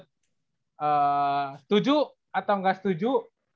setuju atau gak setuju